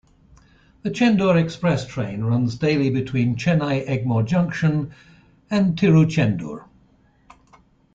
The Chendur Express train runs daily between Chennai Egmore Junction and Tiruchendur.